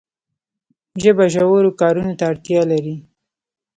ژبه ژورو کارونو ته اړتیا لري.